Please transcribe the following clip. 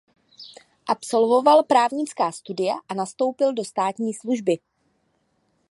Absolvoval právnická studia a nastoupil do státní služby.